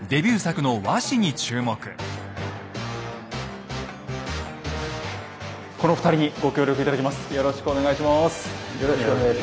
この２人にご協力頂きます。